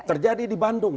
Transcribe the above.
terjadi di bandung